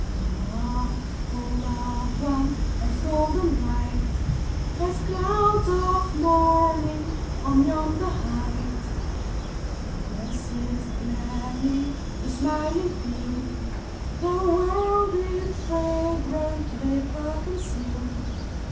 Oh love! oh loved one! As golden bright, As clouds of morning On yonder height! Thou blessest gladly The smiling field, The world in fragrant Vapour conceal'd.